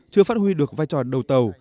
chưa phát huy được vai trò đầu tàu